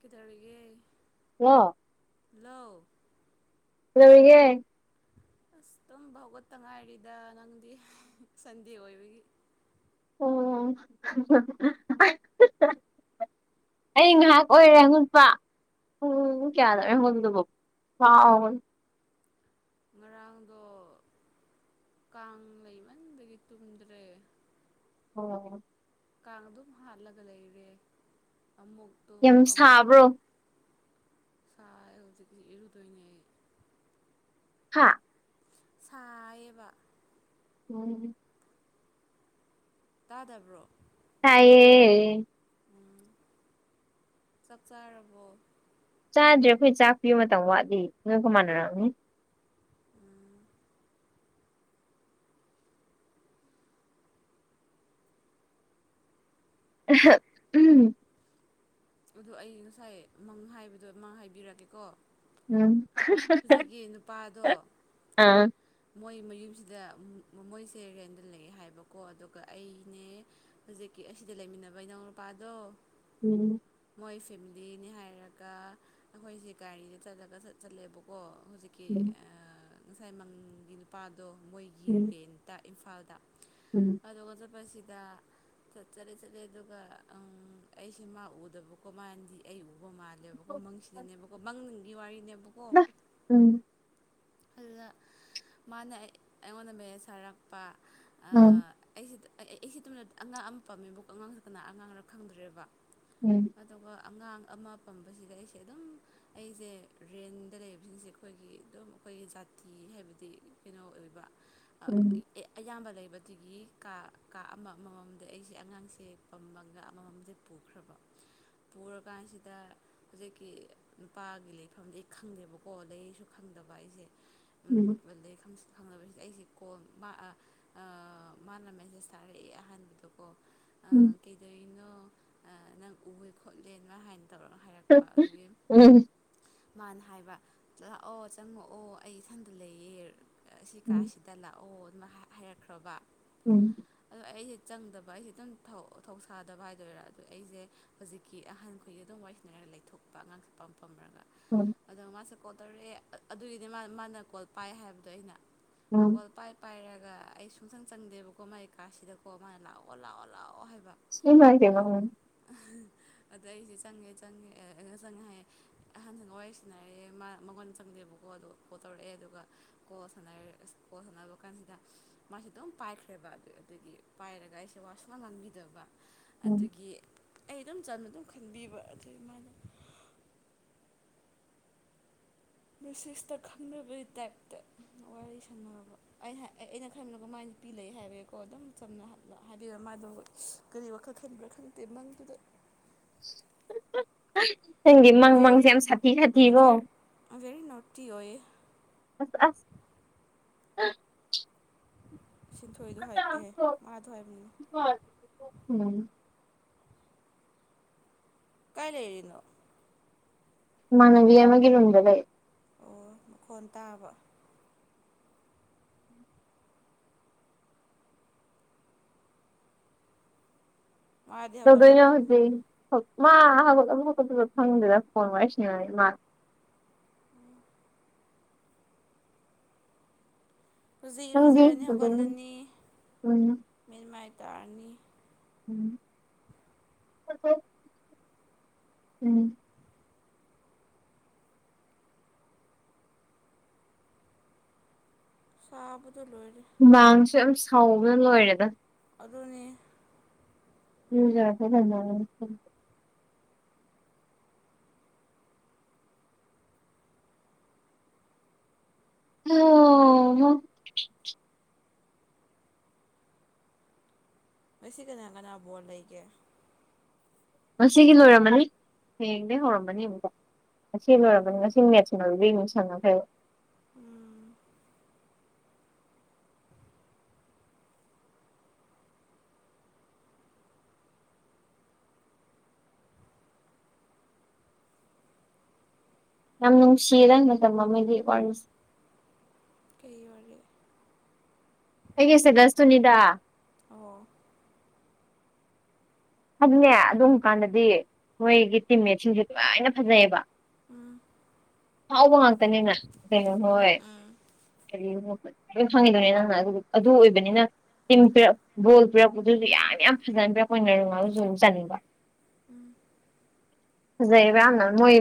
ꯀꯗꯔꯤꯒꯦ ꯑ ꯂꯧ ꯂꯔꯤꯒꯦ ꯑꯁ ꯑꯗꯨꯝ ꯍꯒꯠꯇ ꯉꯥꯏꯔꯤꯗ ꯅꯪꯗꯤ ꯁꯟꯗꯦ ꯑꯣꯏꯕꯒꯤ ꯑꯣ ꯑꯩ ꯉꯥꯏꯍꯥꯛ ꯑꯣꯏꯔꯦꯉꯨꯄꯥ ꯎꯝ ꯀꯌꯥꯗꯔꯦ ꯍꯗ ꯉꯔꯥꯡꯗ ꯀꯥꯡ ꯂꯩꯃꯟꯗꯒꯤ ꯇꯨꯝꯗ꯭ꯔꯦ ꯑꯣ ꯀꯥꯡ ꯑꯗꯨꯝ ꯍꯥꯠꯂꯒ ꯂꯩꯔꯦ ꯑꯃꯨꯛꯛꯇꯨꯝ ꯑꯃꯨꯛ ꯁꯥꯥꯏꯖꯤ ꯏꯔꯨꯗꯣꯏꯅꯦ ꯍꯥꯥ ꯁꯥꯕ ꯎꯝ ꯇꯥꯗꯕ꯭ꯔꯣ ꯇꯌꯦ ꯎꯝ ꯆꯞ ꯆꯥꯔꯔꯕꯣ ꯆꯥꯗ꯭ꯔꯦ ꯑꯩꯈꯣꯏ ꯆꯥꯛ ꯄꯤꯕ ꯃꯇꯝ ꯋꯥꯗꯤ ꯅꯣꯏꯒ ꯃꯥꯟꯅꯔꯛꯑꯅꯤ ꯎꯝ ꯑꯗꯨ ꯑꯩ ꯉꯁꯥꯏ ꯃꯪ ꯍꯥꯏꯕꯗꯣ ꯃꯪ ꯍꯥꯏꯕꯤꯔꯛꯀꯦꯀꯣ ꯎꯝ ꯑꯥ ꯃꯣꯏ ꯃꯌꯨꯝꯁꯤꯗ ꯃꯣꯏꯁꯦ ꯔꯦꯟꯗ ꯂꯩꯑꯦ ꯍꯥꯏꯕꯀꯣ ꯑꯗꯨꯒ ꯑꯩꯅꯦ ꯍꯧꯖꯤꯛ ꯦꯛ ꯑꯁꯤꯗ ꯂꯩꯃꯤꯟꯅꯕ ꯏꯅꯥꯎ ꯅꯨꯨꯄꯥꯗꯣ ꯎꯝ ꯃꯣꯏ ꯐꯦꯃꯤꯂꯤꯅꯤ ꯍꯥꯏꯔꯒ ꯑꯩꯈꯣꯏꯁꯦ ꯒꯥꯔꯤꯗ ꯆꯠꯂꯒ ꯆꯠ ꯆꯜꯂꯦꯕꯀꯣ ꯍꯧꯖꯤꯛꯀꯤ ꯉꯁꯥꯏ ꯃꯪꯒꯤ ꯅꯨꯄꯥꯗꯣ ꯃꯣꯏꯒꯤ ꯔꯦꯟꯇ ꯏꯝꯐꯥꯜꯗ ꯑꯗ ꯀꯗ ꯄꯁꯤ ꯗ ꯆꯠ ꯆꯠꯂꯦ ꯆꯠꯂꯦ ꯑꯗꯨꯒ ꯑꯩꯁꯦ ꯃꯥ ꯎꯗꯕꯀꯣ ꯃꯥꯅꯗꯤ ꯑꯩ ꯎ ꯕꯣ ꯃꯥꯜꯂꯦꯕꯀꯣ ꯃꯪꯁꯤꯗꯅꯦꯕꯀꯣ ꯃꯪꯒꯤ ꯋꯥꯔꯤꯅꯦꯕꯀꯣ ꯎꯝ ꯑꯗꯨꯅ ꯃꯥꯅ ꯑꯩꯉꯣꯟꯗ ꯃꯦꯁ ꯊꯥꯔꯛꯄ ꯑꯝ ꯑꯩ ꯑꯩ ꯁꯤ ꯇꯅ ꯑꯉꯥꯡ ꯑꯃ ꯄꯥꯝꯃꯦꯕꯨ ꯑꯉꯥꯡꯁꯨ ꯀꯅꯥ ꯑꯉꯥꯡꯅ ꯈꯪꯗ꯭ꯔꯦꯕ ꯑꯗꯨꯒ ꯑꯉꯥꯡ ꯑꯃ ꯄꯝꯕꯁꯤꯗ ꯑꯩꯁꯦ ꯑꯗꯨꯝ ꯑꯩꯁꯦ ꯔꯦꯟꯗ ꯂꯩꯕꯁꯤꯡꯁꯦ ꯑꯩꯈꯣꯏꯒꯤ ꯑꯗꯨꯝ ꯑꯩꯈꯣꯏꯒꯤ ꯖꯥꯇꯤ ꯍꯥꯏꯕꯗꯤ ꯀꯩꯅꯣ ꯑꯣꯏꯕ ꯑꯌꯥꯝꯕ ꯂꯩꯕ ꯑꯗꯒꯤ ꯀꯥ ꯀꯥ ꯑꯃ ꯑꯃꯃꯝꯗ ꯑꯩꯁꯦ ꯑꯉꯥꯡꯁꯦ ꯄꯝꯃꯒ ꯑꯃꯃꯝꯗ ꯄꯨꯈ꯭ꯔꯕ ꯄꯨꯔꯀꯥꯟꯁꯤꯗ ꯍꯧꯖꯤꯛꯀꯤ ꯅꯨꯄꯥꯒꯤ ꯂꯩꯐꯝꯗꯤ ꯑꯩ ꯈꯪꯗꯦꯕꯀꯣ ꯂꯩꯁꯨ ꯈꯪꯗꯕ ꯑꯩꯁꯦ ꯈꯪꯅꯕꯁꯤꯗ ꯑꯩꯁꯦ ꯀꯣ ꯃꯥꯅ ꯃꯦꯁꯦꯁ ꯊꯥꯔꯛꯏ ꯑꯍꯥꯟꯕꯗꯀꯣ ꯀꯩꯗꯧꯏꯅꯣ ꯅꯪ ꯎꯋꯦ ꯈꯣꯠꯂꯦꯅ ꯍꯥꯏꯅ ꯇꯧꯔꯒ ꯍꯥꯏꯔꯛꯄ ꯑꯗꯨꯒꯤ ꯃꯥꯅ ꯍꯥꯏꯕ ꯆꯥꯛꯑꯣ ꯆꯪꯉꯛꯑꯣ ꯑꯩ ꯏꯊꯟꯗ ꯂꯩꯌꯦ ꯑꯁꯤ ꯀꯥꯁꯤꯗ ꯂꯥꯛꯑꯣ ꯑꯗꯨꯃ ꯍꯥꯏꯔꯛꯈ꯭ꯔꯕ ꯎꯝ ꯆꯪꯗꯕ ꯑꯩꯁꯦ ꯑꯗꯨꯝ ꯊꯧꯁꯥꯗꯕ ꯍꯥꯏꯗꯣꯏꯔꯥ ꯑꯗꯨ ꯑꯩꯁꯦ ꯍꯧꯖꯤꯛꯀꯤ ꯑꯍꯟꯈꯣꯏꯒꯤ ꯑꯗꯨꯝ ꯋꯥꯏꯁꯤꯟꯅꯔꯦ ꯂꯩꯊꯣꯛꯄ ꯑꯉꯥꯡ ꯁꯄꯝꯃ ꯐꯝꯃꯔꯒ ꯑꯗꯣ ꯃꯥꯁꯦ ꯀꯣꯜ ꯇꯧꯔꯛꯑꯦ ꯑꯗꯨꯒꯤꯗꯤ ꯃꯥ ꯃꯥꯅ ꯀꯣꯜ ꯄꯥꯏ ꯍꯥꯏꯕꯗꯣ ꯑꯩꯅ ꯀꯣꯜ ꯄꯥꯏ ꯄꯥꯏꯔꯒ ꯑꯩ ꯁꯨꯡꯁꯪ ꯆꯪꯗꯦꯕꯀꯣ ꯃꯥꯒꯤ ꯀꯥꯁꯤꯗꯀꯣ ꯃꯥꯥꯏ ꯂꯥꯛꯑꯣ ꯂꯥꯛꯑꯣ ꯂꯥꯛꯑꯣ ꯍꯥꯏꯕ ꯁꯤꯃꯥꯏꯗꯦꯕ ꯑꯗ ꯑꯩꯁꯦ ꯆꯪꯉꯦ ꯆꯪꯉꯦ ꯆꯪꯉꯦ ꯍꯥꯏꯌꯦ ꯑꯍꯥꯟꯕꯒ ꯋꯥꯔꯤ ꯁꯤꯅꯔꯦ ꯃꯉꯣꯟꯗ ꯆꯪꯗꯦꯕꯀꯣ ꯀꯣ ꯑꯗꯨꯣ ꯀꯣꯜ ꯇꯧꯔꯛꯑꯦ ꯑꯗꯨꯒ ꯀꯣꯜ ꯁꯥꯟꯅꯔꯦ ꯑꯁ ꯀꯣꯜ ꯁꯥꯟꯅꯕ ꯀꯥꯟꯁꯤꯗ ꯃꯥꯁꯤ ꯑꯗꯨꯝ ꯄꯥꯏꯈ꯭ꯔꯦꯕ ꯄꯥꯏꯔ ꯑꯩꯁꯦ ꯋꯥ ꯁꯨꯉꯥꯡ ꯉꯥꯡꯕꯤꯗꯕ ꯏꯝ ꯆꯅ ꯑꯗꯨꯝ ꯈꯟꯕꯤꯕ ꯑꯗꯨꯒꯤ ꯃꯥꯅ ꯃꯦꯁꯦꯖꯇ ꯈꯪꯗꯕꯒꯤ ꯇꯥꯏꯞꯇ ꯋꯥꯔꯤ ꯁꯥꯟꯅꯕ ꯑꯩꯅ ꯑꯩꯅ ꯈꯟꯕ ꯀꯃꯥꯏꯅ ꯅꯨꯄꯤ ꯂꯩ ꯍꯥꯏꯕꯩꯀꯣ ꯑꯗꯨꯝ ꯆꯝꯅ ꯍꯥꯏꯕꯤꯕ ꯃꯥꯗꯣ ꯀꯔꯤ ꯋꯥꯈꯜ ꯈꯟꯕ꯭ꯔꯥ ꯈꯪꯗꯦ ꯃꯪꯗꯨꯗ [inaudible] ꯚꯦꯔꯤ ꯕꯦꯔꯤ ꯅꯣꯇꯤ ꯑꯣꯏꯌꯦ ꯑ ꯑꯁ ꯑꯝ ꯁꯤꯟꯊꯣꯛꯏꯗꯣ ꯍꯥꯏ ꯑꯦ ꯃꯥꯗꯣ ꯍꯥꯏꯕꯅꯦ ꯀꯥꯏ ꯂꯩꯔꯤꯅꯣ ꯏꯃꯥꯟꯅꯕꯤ ꯌꯥ ꯑꯃꯒꯤ ꯔꯨꯝꯗ ꯂꯩ ꯑꯣ ꯃꯈꯣꯟ ꯇꯥꯕ ꯂꯗꯅ ꯍꯧꯖꯤ ꯃꯥ [unintelligible] ꯀꯠꯄꯤ ꯈꯪꯗꯦꯗ ꯐꯣꯟ ꯋꯥꯔꯤ ꯁꯤꯅꯔꯤ ꯃꯥꯂꯦ ꯍꯧꯖꯤꯛ ꯏꯔꯨꯖꯔꯅꯤ ꯍꯧꯒꯠꯂꯅꯤ ꯃꯦꯟ ꯃꯥꯏ ꯇꯥꯔꯅꯤ ꯎꯝ ꯎꯝ ꯁꯥꯕ ꯍꯨꯃꯥꯡꯁꯨ ꯌꯥꯝ ꯁꯥꯎꯕꯅ ꯂꯣꯏꯔꯦꯗ ꯑꯗꯨꯅꯤ [unintelligible] ꯑꯣ ꯃ ꯃꯁꯤ ꯀꯅꯥ ꯀꯅꯥ ꯕꯣꯜ ꯂꯩꯒꯦ ꯉꯁꯤꯒꯤ ꯂꯣꯏꯔꯝꯃꯅꯤ ꯍꯌꯦꯡꯗꯩ ꯍꯧꯔꯃꯅꯤ ꯑꯃꯨꯛꯇ ꯉꯁꯤ ꯂꯣꯏꯔꯕꯅꯤ ꯉꯁꯤ ꯃꯦꯠ ꯁꯟꯅꯔꯗꯩ ꯑꯃ ꯁꯪꯉꯈ꯭ꯔꯦꯕ ꯎꯝ ꯌꯥꯝ ꯅꯨꯡꯁꯤꯌꯦ ꯅꯪ ꯃꯇꯝ ꯑꯃꯒꯤ ꯋꯥꯔꯤꯁꯦ ꯀꯩ ꯋꯥꯔꯤ ꯑꯩꯒꯤ ꯁ꯭ꯇꯦꯇꯁꯇꯨꯅꯤꯗꯥ ꯐꯖꯅꯦ ꯑꯗꯨꯨꯝꯕ ꯀꯥꯟꯗꯗꯤ ꯃꯣꯏꯒꯤ ꯇꯤꯝꯃꯦꯠꯁꯤꯡꯁꯦ ꯂꯣꯏꯅ ꯐꯖꯩꯑꯕ ꯎꯝ ꯍꯥꯎ ꯋꯥ ꯀꯅꯤꯅꯥ ꯀꯩꯅ ꯍꯣꯏ ꯀꯔꯤ ꯂꯣꯏ ꯈꯪꯉꯤꯗꯅꯤ ꯅꯪ ꯑꯗꯨ ꯑꯣꯏꯕꯅꯤꯅ ꯇꯤꯝ ꯄꯤꯔꯛꯄ ꯕꯣꯜ ꯄꯤꯔꯛꯄꯗꯨꯁꯨ ꯌꯥꯝ ꯌꯥꯝ ꯐꯖꯅ ꯄꯤꯔꯛꯄꯅꯔꯨꯉꯒꯁꯨ ꯑꯗꯨꯝ ꯆꯥꯅꯤꯡꯕ ꯎꯝ ꯐꯖꯩꯕꯌꯥꯝꯅ ꯃꯣꯏ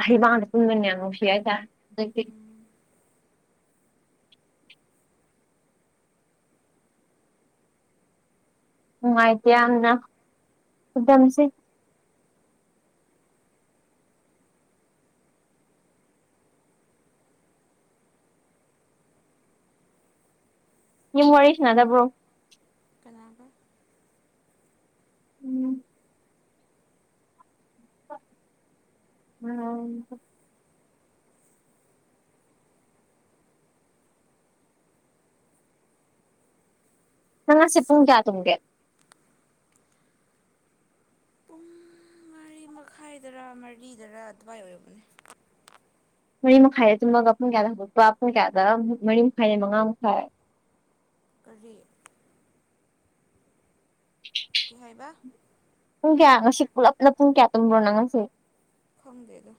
ꯑꯍꯩꯕꯗ ꯄꯨꯟꯕꯅꯦ ꯅꯨꯡꯁꯤ ꯍꯥꯏꯇꯥꯔꯦ ꯍꯧꯖꯤꯛꯇꯤ [unintelligible] ꯅꯨꯡꯉꯥꯏꯇꯦ ꯌꯥꯝꯅ ꯈꯨꯗꯝꯁꯤ ꯌ ꯋꯥꯔꯤ ꯁꯅꯗꯕ꯭ꯔꯣ ꯀꯅꯥꯒꯣ ꯎꯝ ꯎꯝ ꯍꯉꯁꯤ ꯄꯨꯡ ꯀ ꯇꯒꯦ ꯄꯨꯡ ꯃꯔꯤ ꯃꯈꯥꯏꯗꯔꯥ ꯃꯔꯤꯗꯔꯥ ꯑꯗꯨꯋꯥꯏ ꯑꯣꯏꯕꯅꯦ ꯃꯔꯤ ꯃꯈꯥꯏꯗꯦ ꯆꯨꯝꯃꯒ ꯄꯨꯡ ꯀꯌꯥꯗ ꯍꯧꯒꯠꯄ ꯄꯨꯡ ꯀꯌꯥꯗ ꯃꯔꯤ ꯃꯈꯥꯏꯗ ꯃꯉꯥ ꯃꯈꯥꯏ ꯀꯔꯤ [unintelligible] ꯍꯥꯏꯥꯏꯕ ꯄꯨꯡ ꯀꯌꯥꯉꯥꯡꯅ ꯄꯨꯨꯡ ꯀꯌꯥ ꯇꯪꯕ꯭ꯔꯣꯅꯥꯉꯁꯤ ꯈꯪꯗꯦ ꯑꯗꯣ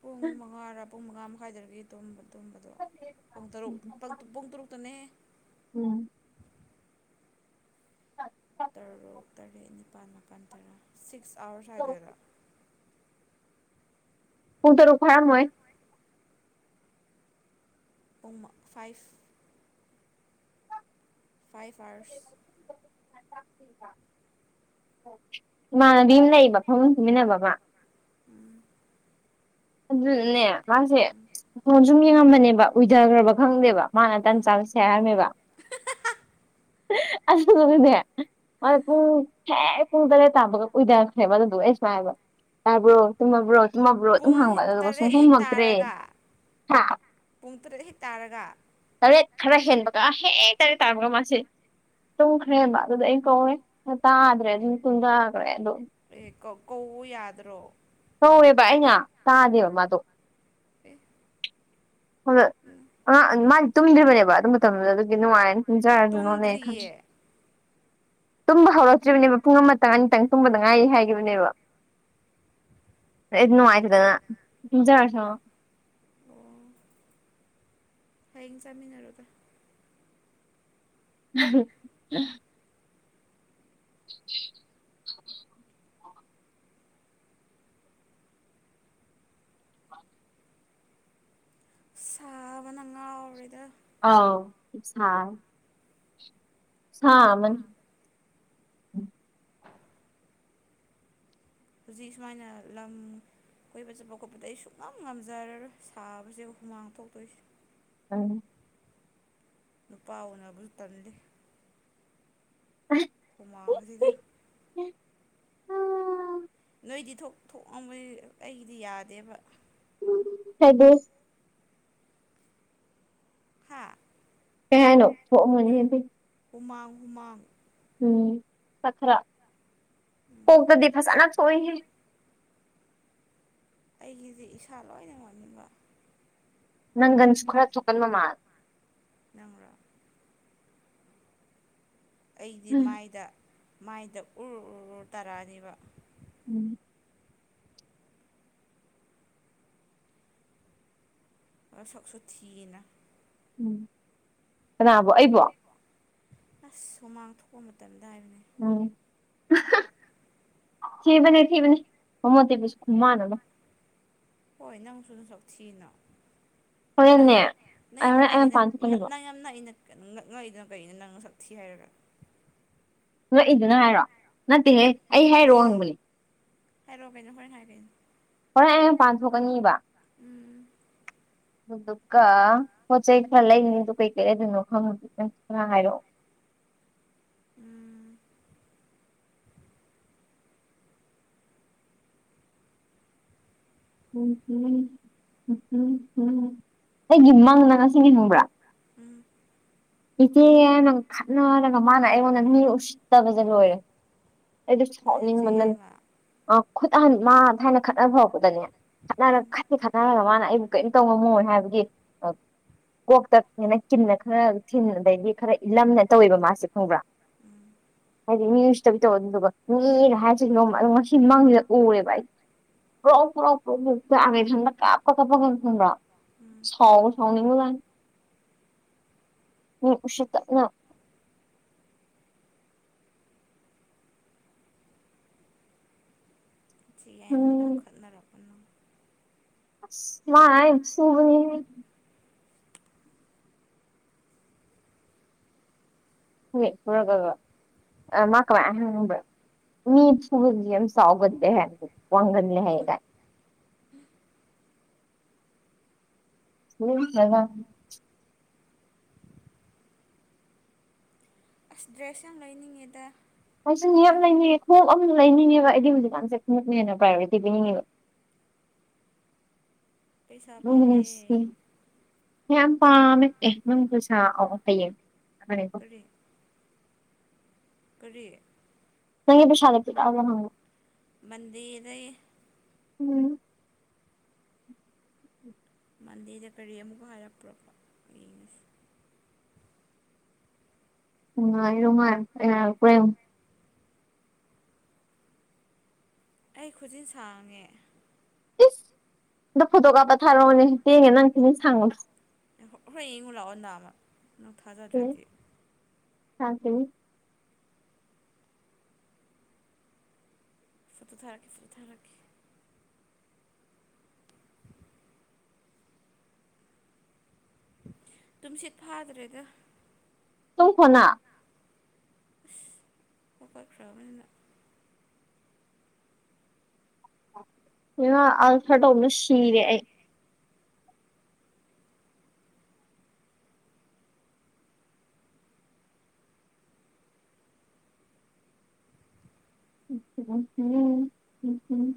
ꯄꯨꯡ ꯃꯉꯥꯔꯥ ꯄꯨꯡ ꯃꯉꯥ ꯃꯈꯥꯏꯗꯒꯤ ꯇꯣꯝꯕꯅꯦ ꯑꯗꯨꯨꯝꯝꯕꯗꯣ ꯄꯨꯡ ꯇꯔꯨꯛ ꯄꯨꯡ ꯇꯔꯨꯛꯇꯅꯦ ꯎꯝ ꯑꯔꯦꯠ ꯅꯤꯄꯥꯜ ꯃꯥꯄꯜ ꯇꯔꯥ ꯁꯤꯛꯁ ꯑꯥꯋꯥꯔꯁ ꯍꯥꯏꯗꯣꯏꯔ ꯄꯨꯨꯡ ꯇꯔꯨ ꯍꯔꯣꯏ ꯎ ꯐꯥꯏꯚ ꯐꯥꯏꯚ ꯑꯥꯔꯁ ꯏꯃꯥꯟꯅꯕꯤ ꯑꯃ ꯂꯩꯕ ꯐꯐꯝ ꯐꯨꯃꯤꯟꯅꯕ ꯑꯃ ꯑꯗꯨꯅꯅꯦ ꯃꯥꯁꯦ ꯅꯣꯟ ꯁꯨꯝ ꯌꯦꯡꯉꯝꯕꯅꯦꯕ ꯎꯏꯊꯈ꯭ꯔꯕ ꯈꯪꯗꯦꯕ ꯃꯥꯅ ꯇꯟ ꯆꯥꯕ ꯁꯦꯔꯝꯃꯦꯕ ꯑꯗꯨꯅꯦ ꯃꯥ ꯄꯨꯡ ꯍꯦꯛ ꯄꯨꯡ ꯇꯔꯦꯠ ꯇꯥꯕꯒ ꯀꯏꯊꯔꯛꯈ꯭ꯔꯦꯕ ꯑꯗꯨꯗꯨꯣ ꯑꯩ ꯁꯨꯥꯏꯕ ꯌꯥꯕ꯭ꯔꯣ ꯇꯨꯝꯃꯕ꯭ꯔꯣ ꯇꯨꯝꯃꯕ꯭ꯔꯣ ꯑꯗꯨꯝ ꯍꯪꯕ ꯑꯗꯨꯒ ꯁꯨꯡꯁꯨꯝꯃꯛꯇ꯭ꯔꯦ ꯄꯨꯡ ꯇꯔꯦꯠ ꯍ ꯇꯥꯔꯒ ꯈꯔ ꯍꯦꯟꯕꯒ ꯑꯥ ꯍꯦꯛ ꯇꯥꯔꯦ ꯇꯥꯕꯒ ꯃꯥꯁꯦ ꯇꯨꯝꯈ꯭ꯔꯦꯕ ꯑꯗꯨꯗ ꯑꯩ ꯀꯧꯋꯦ ꯇꯥꯗ꯭ꯔꯦ ꯑꯗꯨꯝ ꯇꯨꯡꯊꯈ꯭ꯔꯦ ꯑꯗꯣ ꯑꯦ ꯀꯣ ꯌꯥꯗ꯭ꯔꯣ ꯀꯋꯦꯕ ꯑꯩ ꯉ ꯇꯥꯗꯦꯕ ꯃꯥꯗꯣ ꯎꯝ [unintelligible] ꯍ ꯑ ꯃꯥꯗꯤ ꯇꯨꯝꯗ꯭ꯔꯤꯕꯅꯦꯕ ꯑꯗꯨ ꯃꯇꯝꯗꯨꯗ ꯑꯗꯨꯒꯤ ꯅꯨꯡꯉꯥꯏꯔꯅꯤ ꯖ ꯑꯗꯨꯅꯦ ꯈ ꯇꯨꯝꯕ ꯍꯧꯔꯛꯇ꯭ꯔꯤꯕꯅꯦꯕ ꯄꯨꯡ ꯑꯃꯇꯪ ꯑꯅꯤꯇꯪ ꯇꯨꯝꯕꯗ ꯉꯥꯏꯔꯤ ꯍꯥꯏꯈꯤꯕꯅꯦꯕ ꯏꯅꯨꯡ ꯃꯥꯇꯗꯅ ꯄꯨꯖ ꯋꯥꯔꯁ ꯑꯣ ꯍꯌꯦꯡ ꯆꯥꯃꯤꯟꯅꯔꯒ ꯎꯝ ꯎ [inaudible] [unintelligible] [inaudible] ꯁꯥꯕꯅ ꯉꯥꯎꯔꯤꯗ ꯑꯥꯎꯁ ꯁꯥ ꯑꯃꯅꯤ ꯍꯧꯖꯤꯛ ꯁꯨꯃꯥꯏꯅ ꯂꯝ ꯑꯩꯣꯏꯕ ꯆꯠꯄ ꯈꯣꯠꯄꯗ ꯑꯩ ꯁꯨꯡꯛꯅꯝ ꯉꯝꯖꯔꯔꯣꯏ ꯁꯥꯕꯁꯦ ꯍꯨꯃꯥꯡ ꯊꯣꯛꯇꯣꯏꯁꯦ ꯎꯝ ꯅꯨꯄꯥ ꯎꯟꯕ ꯇꯜꯂꯤ ꯍꯨꯃꯥꯡꯒ ꯖꯤꯒ ꯑꯩꯗꯤ ꯊꯣꯛ ꯊꯣꯛꯑꯝꯕꯩ ꯑꯩꯒꯤꯗꯤ ꯌꯥꯗꯦꯕ ꯍꯥꯏꯗꯤ ꯀꯩ ꯍꯥꯏꯅꯣ ꯊꯣꯛꯝꯃꯅꯤ [unintelligible] ꯍꯨꯃꯥꯡ ꯍꯨꯃꯥꯡ ꯎꯝ ꯈ ꯈꯔ ꯀꯣꯛꯇꯗꯤ ꯐꯖꯅ ꯊꯣꯛ ꯑꯦ ꯍꯦ ꯑꯩꯒꯤꯁꯦ ꯏꯁꯥ ꯂꯣꯏꯅ ꯉꯝꯅꯤꯡꯕ ꯅꯪꯒꯟꯁꯨ ꯈꯔ ꯆꯣꯛꯀꯟꯕ ꯃꯥꯜꯂ ꯑꯩꯗꯤ ꯃꯥꯏꯗ ꯃꯥꯏꯗ ꯎꯔ ꯇꯥꯔꯛꯑꯅꯤꯕ ꯎꯝ ꯑ ꯁꯛꯁꯨꯣ ꯊꯤꯌꯦ ꯅꯪ ꯎꯝ ꯀꯅꯥꯕꯨꯣ ꯑꯩꯕꯣ ꯑꯁ ꯍꯨꯃꯥꯡ ꯊꯣꯛꯣꯛꯄ ꯃꯇꯝꯗ ꯍꯥꯏꯕꯅꯤ ꯎꯝ [inaudible] ꯊꯤꯕꯅꯤ ꯊꯤꯕꯅꯤ ꯍꯣꯃꯣ ꯑꯊꯦꯛꯄꯤꯁꯨ ꯈꯨꯃꯥꯜ ꯑꯃꯥ ꯍꯣꯏ ꯅꯪꯁꯨ ꯅꯁꯛ ꯊꯤꯅꯥ ꯅ ꯅ ꯉ ꯌꯥꯝ ꯏ [inaudible] ꯑꯩꯅ ꯅꯪ ꯁꯛꯊꯤ ꯍꯥꯏꯔꯒ ꯍꯂꯛꯏꯗꯨꯅ ꯍꯥꯏꯔꯣ ꯅꯠꯇꯦꯍꯦ ꯑꯩ ꯍꯥꯏꯔꯛꯣꯑꯣ ꯍꯪꯕꯅꯦ ꯍꯔꯣꯒꯅ ꯐꯣꯏꯅ ꯍꯥꯏꯒꯅꯤ ꯍꯣꯔꯦꯟ ꯑꯩ ꯄꯥꯟꯊꯣꯛꯀꯅꯤꯕ ꯑꯗꯨꯒ ꯄꯣꯠꯆꯩ ꯈꯔ ꯂꯩꯅꯤꯗ ꯀꯩꯀꯩ ꯂꯩꯗꯣꯏꯅꯣ ꯈꯪꯗꯦ ꯅꯪꯁꯨ ꯈ ꯍꯥꯏꯔꯛꯑꯣ [inaudible] [unintelligible] ꯎꯝ ꯎꯝ ꯎ ꯎꯝꯝ ꯑꯩꯒꯤ ꯃꯪꯅ ꯉꯁꯤꯅꯤ ꯈꯪꯕ꯭ꯔꯥ ꯏꯆꯦ ꯌꯥꯏꯃꯒ ꯈꯠꯅꯔꯒ ꯃꯥꯅ ꯑꯩꯉꯣꯟꯗ ꯃꯤ ꯎꯁꯤꯠꯇꯕꯁꯦ ꯂꯣꯏꯔꯦ ꯑꯩꯗꯣ ꯁꯥꯎꯅꯤꯡꯃꯟꯗꯅ ꯑ ꯈꯨꯠ ꯃꯥ ꯊꯥꯌꯅ ꯈꯠꯅ ꯐꯥꯎꯧꯛꯄꯗꯅꯦ ꯈꯠꯅꯔ ꯈꯠꯇꯦ ꯈꯠꯅꯔꯒ ꯃꯥꯅ ꯑꯩꯕꯨ ꯀꯔꯤꯝ ꯇꯧ ꯉꯝꯃꯣꯏ ꯍꯥꯏꯕꯒꯤ ꯀꯣꯛꯇ ꯍꯅ ꯀꯤꯟꯅ ꯈꯔ ꯊꯤꯟ ꯑꯗꯩꯗꯤ ꯈꯔ ꯏꯜꯂꯝꯅ ꯇꯧꯋꯦꯕ ꯃꯥꯁꯦ ꯈꯪꯕ꯭ꯔꯥ ꯑꯗꯨꯗ ꯃꯤ ꯎꯁꯤꯇ ꯗꯨ ꯃꯤꯅ ꯍꯥꯏꯁꯤ ꯅꯣꯡ ꯉꯁꯤ ꯃꯪꯁꯤꯗ ꯎꯔꯦꯕ ꯑꯩ ꯄꯣ꯭ꯔꯣꯛ ꯄ꯭ꯔꯣꯛ ꯆꯥꯛ ꯑ ꯒ ꯏꯊꯟꯗ ꯀꯄ ꯀꯄ ꯀ꯭ꯔ ꯁꯥꯎꯒ ꯁꯥꯎꯅꯤꯕꯖꯥꯠꯅꯤ ꯃꯤ ꯎꯁꯤꯇꯕꯅ ꯁꯤ ꯌꯥꯏꯝ ꯑꯗꯨꯝ ꯈꯠꯅꯔꯛꯄ ꯅꯪ [unintelligible] ꯍ ꯄꯨꯔꯒ ꯑ ꯃꯥ ꯀ [unintelligible] ꯃꯤꯠ ꯃꯨꯂꯝ ꯁꯥꯎꯒꯗ ꯂꯦꯍꯔ ꯋꯥꯒꯟ ꯂꯍꯒ ꯎ ꯍꯂ ꯑꯁ ꯗ꯭ꯔꯦꯁ ꯌꯥꯝ ꯂꯩꯏꯅꯤꯡꯉꯦꯗ ꯑꯩꯁꯨ ꯅꯞ ꯂꯩꯅꯤ ꯈꯣꯡ ꯂꯩꯅꯤꯡꯉꯦꯕ ꯑꯩꯗꯤ ꯍꯧꯖꯤꯛꯀꯥꯟꯁꯦ ꯈꯛꯅꯦꯅ ꯄ꯭ꯔꯥꯏꯌꯣꯔꯤꯇꯤ ꯄꯤꯅꯤꯡꯉꯦꯕ ꯄꯩꯁꯥ ꯄꯥꯃꯦ ꯌꯥꯝ ꯄꯥꯝꯃꯦ ꯑꯦ ꯅꯪꯕꯨ ꯁꯥ ꯑꯣ ꯍꯩꯌꯦꯅꯦꯀꯣ ꯀꯔꯤ ꯅꯪ ꯄꯩꯁꯗ ꯄꯤ [unintelligible] ꯎꯝ ꯃꯟꯗꯦꯗ ꯀꯔꯤ ꯑꯃꯨꯛ ꯍꯥꯏꯔꯛꯄ꯭ꯔ ꯌꯦꯡꯉꯁꯤ [unintelligible] ꯑꯩ ꯈꯨꯖꯤꯟ ꯁꯥꯡꯉꯦ ꯏꯁ ꯑꯗꯣ ꯐꯣꯇꯣ ꯀꯥꯞꯄ ꯊꯥꯔꯛꯑꯣꯅꯦ ꯇꯦꯡꯉꯦ ꯅꯪ ꯊꯤꯅꯦ ꯁꯪꯉꯣꯁ ꯍꯣꯏ ꯌꯦꯡꯉꯨ ꯂꯥꯛꯑꯣ ꯅꯥ ꯑꯃ ꯅꯪ ꯊꯥꯖꯗ꯭ꯔꯗꯤ ꯊ ꯐꯨꯠꯇ ꯊꯥꯔꯛꯀꯦ ꯐꯨꯠꯇꯣ ꯊꯥꯔꯛꯀꯦ ꯇꯝ ꯁꯤꯠ ꯐꯥꯗ꯭ꯔꯦꯗ ꯇꯨꯡ ꯐꯅꯥ ꯑꯣꯀꯣꯏ ꯈꯔꯕ ꯑꯜꯐꯗꯧꯅ ꯁꯤꯔꯦ ꯎ ꯎꯝ ꯍꯝ ꯎꯝ